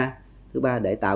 để tạo các nguồn